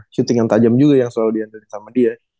shooting yang tajam juga yang selalu diandalkan sama dia